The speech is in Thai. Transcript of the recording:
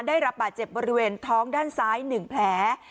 ได้รับบาดเจ็บบริเวณท้องด้านซ้าย๑แผล